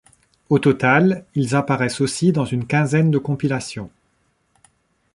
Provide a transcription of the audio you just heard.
Au total, ils apparaissent aussi dans un quinzaine de compilations.